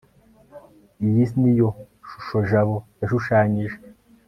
iyi niyo shusho jabo yashushanyije